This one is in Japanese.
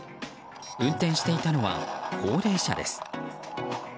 運転していたのは高齢者です。